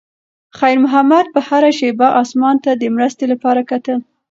خیر محمد به هره شېبه اسمان ته د مرستې لپاره کتل.